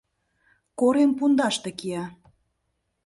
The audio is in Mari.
Корем пундаште кия.